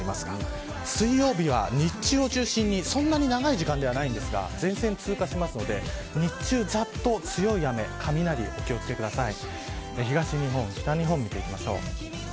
あしたは大阪２４度まで上がりますが水曜日は、日中を中心にそんなに長い時間ではないんですが前線が通過するので日中は、ざっと強い雨や雷にお気を付けください。